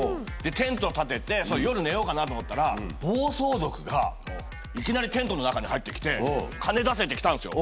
テントたてて、夜寝ようかなと思ったら、暴走族がいきなりテントの中に入ってきて、金出せって来たんですよ。